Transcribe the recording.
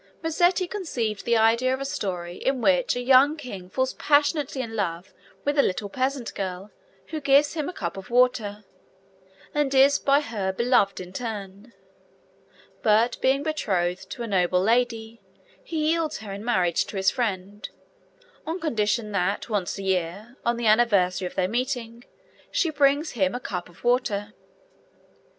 Rossetti conceived the idea of a story in which a young king falls passionately in love with a little peasant girl who gives him a cup of water, and is by her beloved in turn, but being betrothed to a noble lady, he yields her in marriage to his friend, on condition that once a year on the anniversary of their meeting she brings him a cup of water.